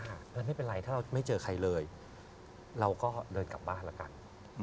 ไม่เป็นไรถ้าเราไม่เจอใครเลยเราก็เดินกลับบ้านแล้วกัน